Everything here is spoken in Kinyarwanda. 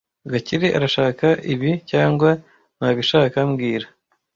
Gakire arashaka ibi cyangwa ntabishaka mbwira